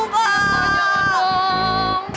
tunggu jangan dong